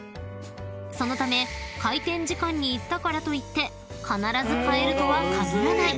［そのため開店時間に行ったからといって必ず買えるとは限らない